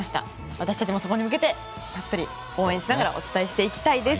私たちもそこに向けてたっぷり応援しながらお伝えしていきたいです。